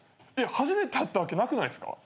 初めて会ったわけなくないっすか？